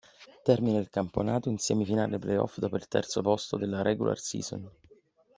Termina il campionato in semifinale playoff dopo il terzo posto della regular season.